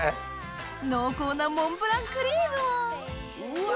濃厚なモンブランクリームをうわ。